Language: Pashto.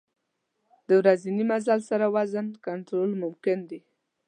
د ورځني مزل سره وزن کنټرول ممکن دی.